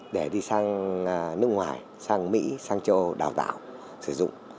để đi sang nước ngoài sang mỹ sang châu âu đào tạo sử dụng